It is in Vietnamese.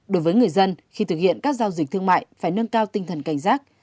đối với người dân khi thực hiện các giao dịch thương mại phải nâng cao tinh thần cảnh giác